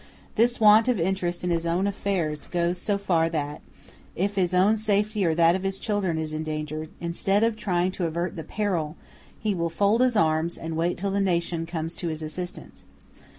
This want of interest in his own affairs goes so far that, if his own safety or that of his children is endangered, instead of trying to avert the peril, he will fold his arms, and wait till the nation comes to his assistance.